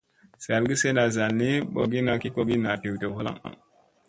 Zalgi sena zalni ɓorowogina ki kogi naa dew dew halaŋ.